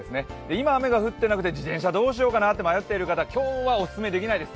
今雨が降っていなくて自転車どうしようかなと迷っている方、今日はお勧めできないです。